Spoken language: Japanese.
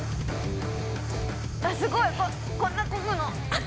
すごい！こんな漕ぐの？